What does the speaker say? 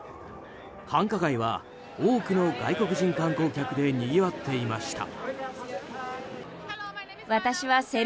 繁華街は多くの外国人観光客でにぎわっていました。